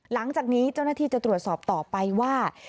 หลังจากนี้เจ้าหน้าที่จะตรวจสอบต่อไปว่า